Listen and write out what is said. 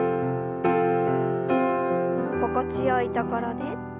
心地よいところで。